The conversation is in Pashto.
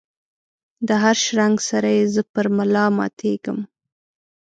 دهر شرنګ سره یې زه پر ملا ماتیږم